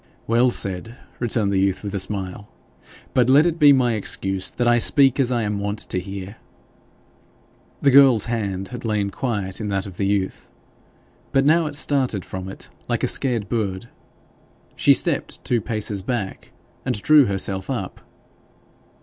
'Well said!' returned the youth with a smile. 'But let it be my excuse that I speak as I am wont to hear.' The girl's hand had lain quiet in that of the youth, but now it started from it like a scared bird. She stepped two paces back, and drew herself up.